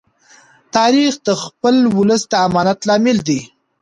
تاریخ د خپل ولس د امانت لامل دی.